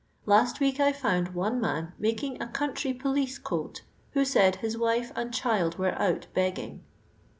Last week I found one man YiMking a country poUce coat, wfu> said his wife and child were out begging."